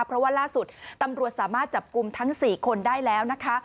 เพราะว่าล่าสุดตำรวจสามารถจับกลุ่มทั้ง๔คนได้แล้วนะคะ